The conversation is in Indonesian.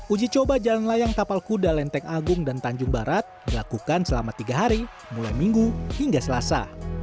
uji coba jalan layang tapal kuda lenteng agung dan tanjung barat dilakukan selama tiga hari mulai minggu hingga selasa